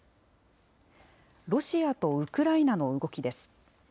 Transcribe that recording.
ロシアとウクライナの動きです。